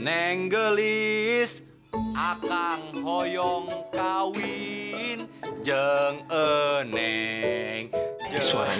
eh suaranya kok gelik banget sih turang